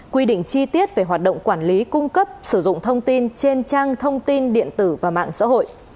quy định chi tiết về hoạt động quản lý cung cấp sử dụng thông tin trên trang thông tin điện tử và mạng xã hội